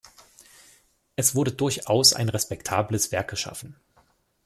Es wurde durchaus ein respektables Werk geschaffen.